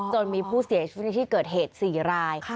จนมีผู้เสียช่วงนี้ที่เกิดเหตุศรีราย